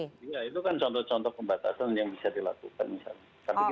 iya itu kan contoh contoh pembatasan yang bisa dilakukan